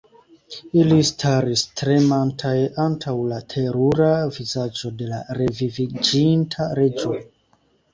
Ili staris tremantaj antaŭ la terura vizaĝo de la reviviĝinta Reĝo.